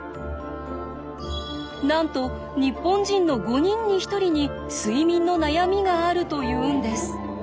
なんと日本人の５人に１人に睡眠の悩みがあるというんです。